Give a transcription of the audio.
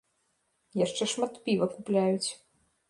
Яшчэ шмат піва купляюць.